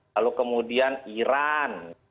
lalu kemudian iran